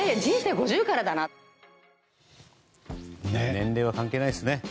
年齢は関係ないですね。